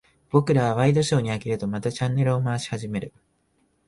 僕らはワイドショーに飽きると、またチャンネルを回し始める。